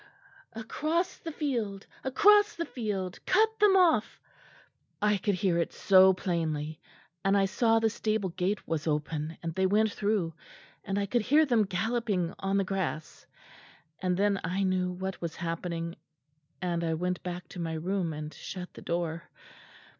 'Across the field across the field cut them off!' I could hear it so plainly; and I saw the stable gate was open, and they went through, and I could hear them galloping on the grass. And then I knew what was happening; and I went back to my room and shut the door."